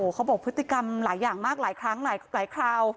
เขาบอกพฤติกรรมหลายอย่างมากหลายครั้งหลายคราว